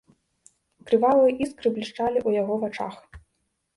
Крывавыя іскры блішчалі ў яго вачах.